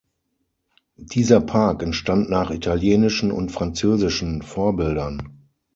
Dieser Park entstand nach italienischen und französischen Vorbildern.